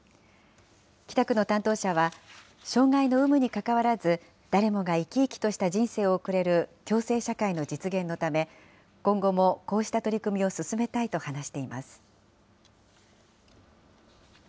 北区の担当者は、障害の有無にかかわらず、誰もが生き生きとした人生を送れる共生社会の実現のため、今後もこうした取り組みを進めたいと話しています。